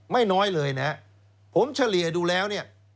ไม่น้อยเลยนะผมเฉลี่ยดูแล้วเนี่ย